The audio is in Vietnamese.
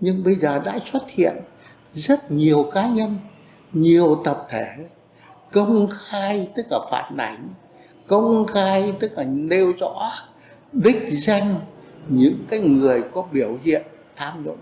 nhưng bây giờ đã xuất hiện rất nhiều cá nhân nhiều tập thể công khai tức là phản ảnh công khai tức là nêu rõ đích danh những cái người có biểu hiện tham nhũng